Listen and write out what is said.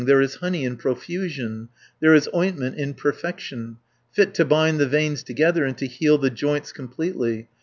There is honey in profusion, There is ointment in perfection, 430 Fit to bind the veins together, And to heal the joints completely.